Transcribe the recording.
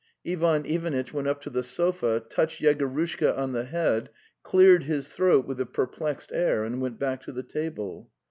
'.''.)):" Ivan Ivanitch went up to the sofa, touched Yego rushka on the head, cleared his throat with a per plexed air, and went back to the table.